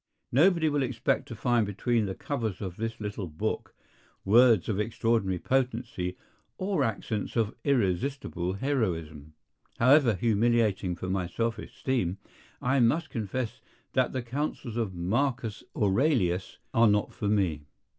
Nobody will expect to find between the covers of this little book words of extraordinary potency or accents of irresistible heroism. However humiliating for my self esteem, I must confess that the counsels of Marcus Aurelius are not for me.